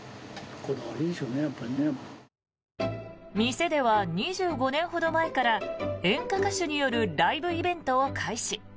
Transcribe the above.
店では２５年ほど前から演歌歌手によるライブイベントを開始。